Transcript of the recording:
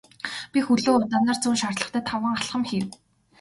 Би хөлөө удаанаар зөөн шаардлагатай таван алхам хийв.